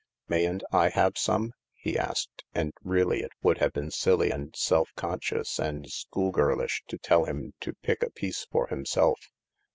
" Mayn't I have some ?" he asked, and really it would have been silly and self conscious and schoolgirlish to tell him to pick a piece for himself.